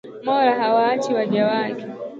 Mola hawaachi waja wake